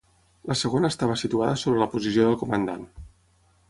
La segona estava situada sobre la posició del comandant.